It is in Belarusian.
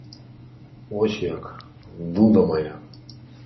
Вось як, дуда мая!